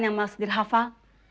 yang mas dir hafal